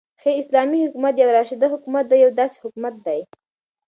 ح : اسلامې حكومت يو راشده حكومت دى يو داسي حكومت دى